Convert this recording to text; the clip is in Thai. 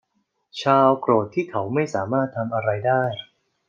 ชาร์ลโกรธที่เขาไม่สามารถทำอะไรได้